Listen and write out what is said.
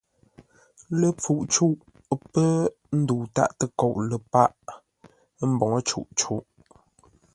Ləpfuʼ cûʼ pə́ ndəu tâʼ təkoʼ ləpâʼ, ə́ mboŋə́ cûʼ cûʼ.